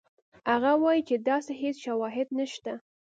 هغه وایي چې داسې هېڅ شواهد نشته.